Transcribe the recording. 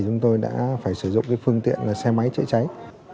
chúng tôi đã phải sử dụng phương tiện xe máy chữa cháy